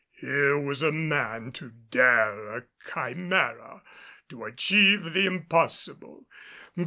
Here was a man to dare a chimera to achieve the impossible.